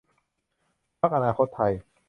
พรรคอนาคตไทย